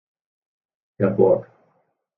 Herr Borg!